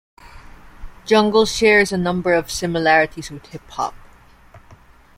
Jungle shares a number of similarities with hip hop.